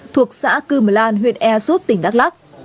thuộc xã cư mờ lan huyện e súp tỉnh đắk lắc